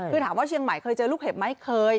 คือถามว่าเชียงใหม่เคยเจอลูกเห็บไหมเคย